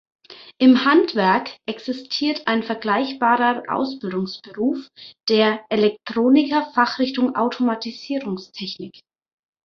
Im Handwerk existiert ein vergleichbarer Ausbildungsberuf, der "Elektroniker Fachrichtung Automatisierungstechnik".